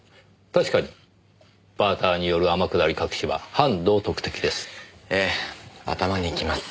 確かにバーターによる天下り隠しは反道徳的です。